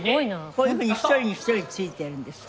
こういうふうに１人に１人ついてるんですか？